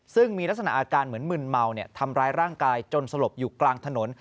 ซึ่งมีลักษณะอาการเหมือนมึนเมาทำร้ายร่างกายจนสลบอยู่กลางถนน